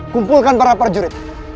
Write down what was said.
kumpulkan para perjurit